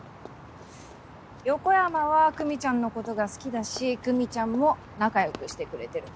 横山は久美ちゃんのことが好きだし久美ちゃんも仲良くしてくれてる。